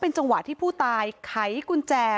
จังหวะที่ผู้ตายไขกุญแจ